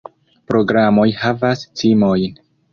Programoj havas cimojn!